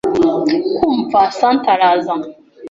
Kumva Santa araza